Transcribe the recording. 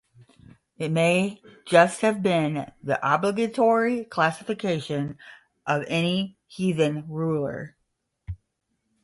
It may just have been the obligatory classification of any heathen ruler.